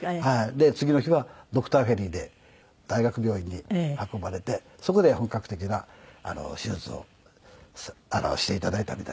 で次の日はドクターヘリで大学病院に運ばれてそこで本格的な手術をして頂いたみたいですね。